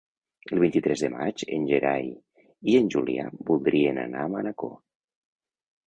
El vint-i-tres de maig en Gerai i en Julià voldrien anar a Manacor.